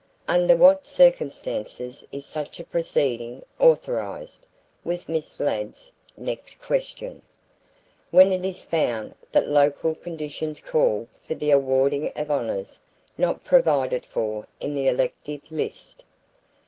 "Under what circumstances is such a proceeding authorized?" was Miss Ladd's next question. "When it is found that local conditions call for the awarding of honors not provided for in the elective list."